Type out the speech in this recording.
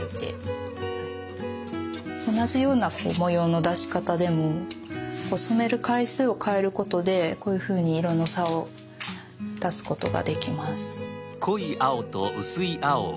同じような模様の出し方でも染める回数を変えることでこういうふうに色の差を出すことができます。